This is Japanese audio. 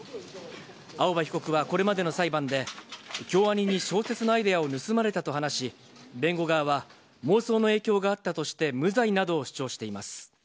青葉被告はこれまでの裁判で、京アニに小説のアイデアを盗まれたと話し、弁護側は妄想の影響があったとして、無罪などを主張しています。